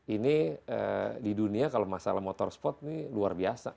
ini di dunia kalau masalah motorsport ini luar biasa